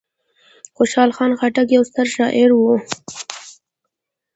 خوشحال خان خټک یو ستر شاعر و.